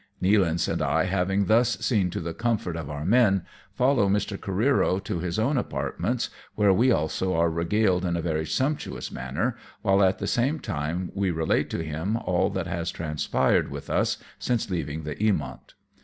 272 AMONG TYPHOONS AND PIRATE CRAFT. Nealance and I having thus seen to the comfort ot our men, follow Mr. Careero to his own apartments, where we also are regaled in a very sumptuous manner, while at the same time we relate to him all that has transpired with us since leaving the Eamoni.